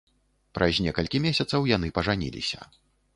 Праз некалькі месяцаў яны пажаніліся.